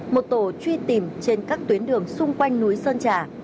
một tổ truy tìm trên các tuyến đường xung quanh núi sơn trà